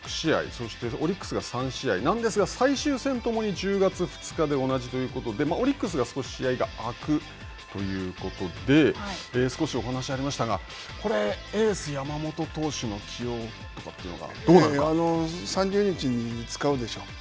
そしてオリックスが３試合なんですが、最終戦ともに１０月２日で同じということでオリックスが少し試合があくということで、少しお話しありましたが、これ、エース山本投手の気合いとかというのが、どうなんでし３０日に使うでしょう。